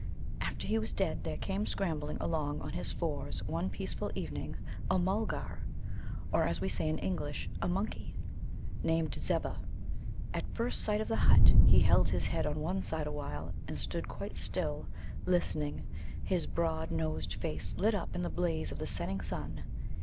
After he was dead, there came scrambling along on his fours one peaceful evening a Mulgar (or, as we say in English, a monkey) named Zebbah. At first sight of the hut he held his head on one side awhile, and stood quite still, listening, his broad nosed face lit up in the blaze of the setting sun.